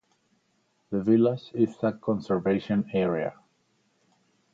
The village is a conservation area.